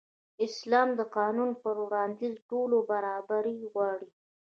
اسلام د قانون پر وړاندې د ټولو برابري غواړي.